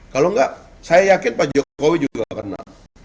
kalau enggak saya yakin pak jokowi juga kena